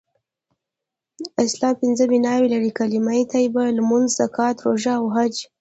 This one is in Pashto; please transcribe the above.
اسلام پنځه بناوې لری : کلمه طیبه ، لمونځ ، زکات ، روژه او حج